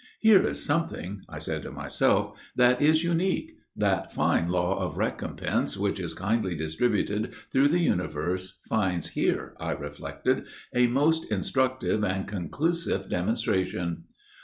"Here is something," I said to myself, "that is unique. That fine law of recompense which is kindly distributed through the universe finds here," I reflected, "a most instructive and conclusive demonstration.